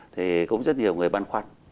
thì cũng rất nhiều người băn khoăn